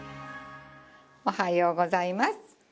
おはようございます。